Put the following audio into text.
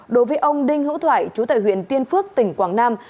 đối với ông đinh hữu thoại chủ tài huyện tiên phước tỉnh quảng nam